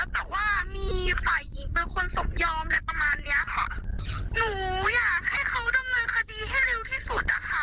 แต่ว่ามีฝ่ายหญิงเป็นคนสมยอมอะไรประมาณเนี้ยค่ะหนูอยากให้เขาดำเนินคดีให้เร็วที่สุดอะค่ะ